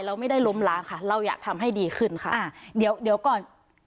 เราไม่ได้ล้มล้างค่ะเราอยากทำให้ดีขึ้นค่ะอ่าเดี๋ยวเดี๋ยวก่อน